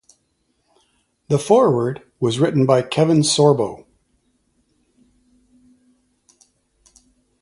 The foreword was written by Kevin Sorbo.